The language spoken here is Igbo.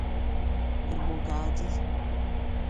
Igbo ga-dị.